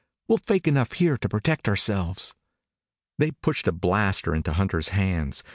We'll fake enough here to protect ourselves." They pushed a blaster into Hunter's hands.